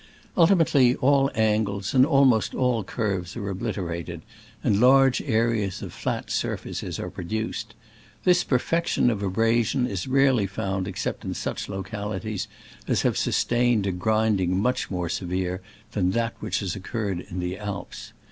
Ultimately, all angles and Digitized by Google SCRAMBLES AMONGST THE ALPS IN i86o '69. (>z almost all curves are obliterated, and large areas of flat surfaces are pro duced. This perfection of abrasion is rarely found except in such localities as have sustained a grinding much more severe than that which has occurred in the Alps.